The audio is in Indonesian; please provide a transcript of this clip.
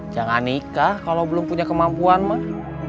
jangan nikah kalau belum punya kemampuan mah